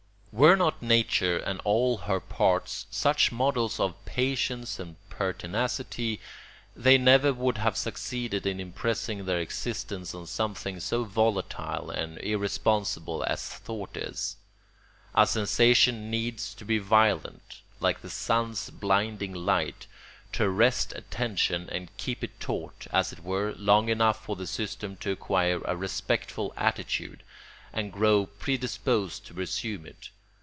] Were not Nature and all her parts such models of patience and pertinacity, they never would have succeeded in impressing their existence on something so volatile and irresponsible as thought is. A sensation needs to be violent, like the sun's blinding light, to arrest attention, and keep it taut, as it were, long enough for the system to acquire a respectful attitude, and grow predisposed to resume it.